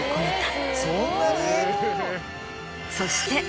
そして。